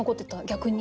逆に。